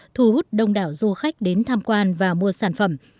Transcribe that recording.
thu hút đông đảo du khách đến tham quan và mua sản phẩm